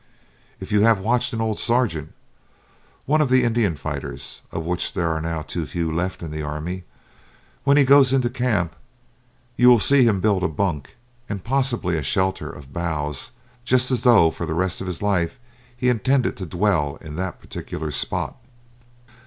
If you have watched an old sergeant, one of the Indian fighters, of which there are now too few left in the army, when he goes into camp, you will see him build a bunk and possibly a shelter of boughs just as though for the rest of his life he intended to dwell in that particular spot.